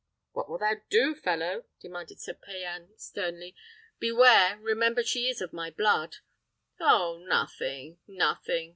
"What wilt thou do, fellow?" demanded Sir Payan sternly. "Beware! remember she is of my blood." "Oh! nothing, nothing!"